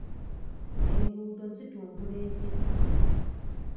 Enguudo zitumbula ebyenfuna.